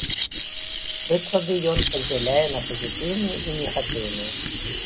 Прыклады ён падзяляе на пазітыўныя і негатыўныя.